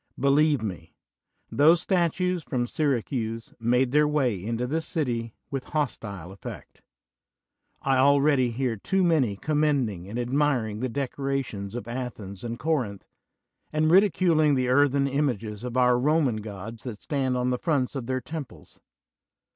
Believe me, those statues from Syracuse made their way into this city with hostile effect. I al ready hear too many commending and admiring the decorations of Athens and Corinth, and ridi culing the earthen images of our Roman gods that stand on the fronts of their temples.